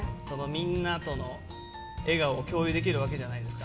みんなとの笑顔を共有できるわけじゃないですか。